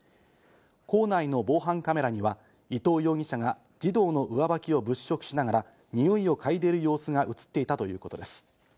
校内の防犯カメラには、伊藤容疑者が児童の上履きを物色しながらにおいをかいでいる様子が映っていたということです。